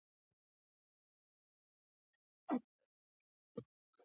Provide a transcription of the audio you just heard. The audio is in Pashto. په کوټه ښار کښي لس ژبي ویل کېږي